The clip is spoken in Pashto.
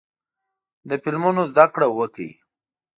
له فلمونو زده کړه وکړئ.